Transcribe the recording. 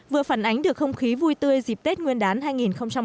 vừa phản ánh được không khí vui tươi dịp tết nguyên đán hai nghìn một mươi tám